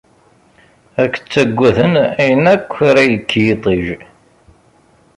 Ad k-ttaggaden ayen akk ara yekk yiṭij.